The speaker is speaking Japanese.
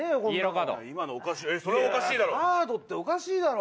カードっておかしいだろ！